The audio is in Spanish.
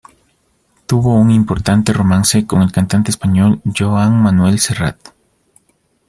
Tuvo un importante romance con el cantante español Joan Manuel Serrat.